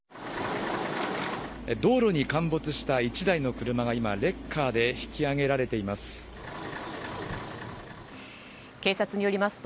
道路に陥没した１台の車が今レッカーで引き上げられています。